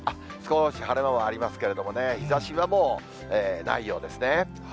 少し晴れ間はありますけどね、日ざしはもうないようですね。